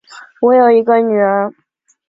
我有一个女儿